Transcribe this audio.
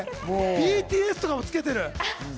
ＢＴＳとかもつけてる。